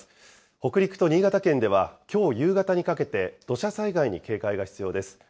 北陸と新潟県では、きょう夕方にかけて、土砂災害に警戒が必要です。